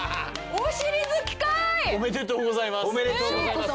おめでとうございます。